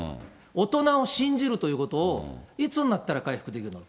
大人を信じるということをいつになったら回復できるのか。